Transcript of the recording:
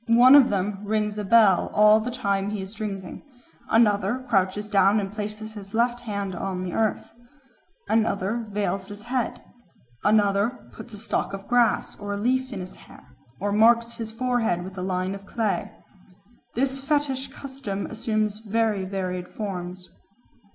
One of them rings a bell all the time he is drinking; another crouches down and places his left hand on the earth; another veils his head; another puts a stalk of grass or a leaf in his hair, or marks his forehead with a line of clay. This fetish custom assumes very varied forms.